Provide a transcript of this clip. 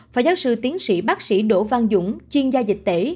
phó giáo sư tiến sĩ bác sĩ đỗ văn dũng chuyên gia dịch tễ